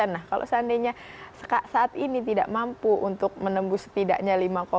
nah kalau seandainya saat ini tidak mampu untuk menembus setidaknya lima